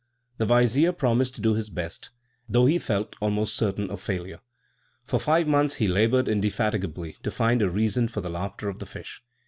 The vizier promised to do his best, though he felt almost certain of failure. For five months he laboured indefatigably to find a reason for the laughter of the fish.